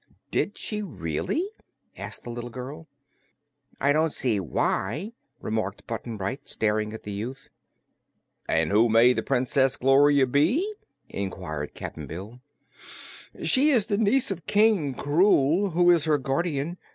"Did she, really?" asked the little girl. "I don't see why," remarked Button Bright, staring at the youth. "And who may the Princess Gloria be?" inquired Cap'n Bill. "She is the niece of King Krewl, who is her guardian.